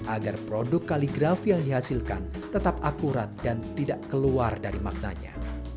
agar produk kaligrafi yang dihasilkan tetap akurat dan tidak keluar dari maknanya